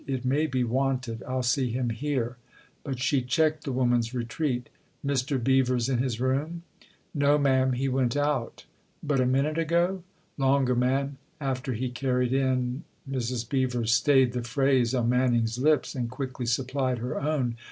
" It may be wanted. I'll see him here." But she checked the woman's retreat. " Mr. Beever's in his room ?" THE OTHER HOUSE 261 "No, ma'am he went out." " But a minute ago ?"" Longer, ma'am. After he carried in " Mrs. Beever stayed the phrase on Manning's lips and quickly supplied her own.